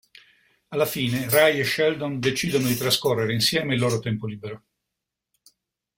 Alla fine Raj e Sheldon decidono di trascorrere insieme il loro tempo libero.